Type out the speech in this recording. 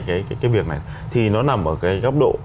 cái việc này thì nó nằm ở cái góc độ